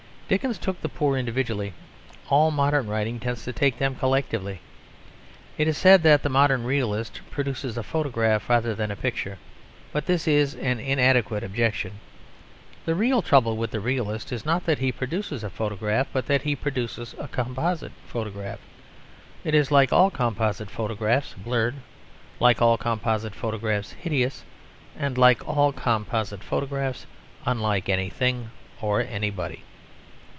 Dickens took the poor individually: all modern writing tends to take them collectively. It is said that the modern realist produces a photograph rather than a picture. But this is an inadequate objection. The real trouble with the realist is not that he produces a photograph, but that he produces a composite photograph. It is like all composite photographs, blurred; like all composite photographs, hideous; and like all composite photographs, unlike anything or anybody.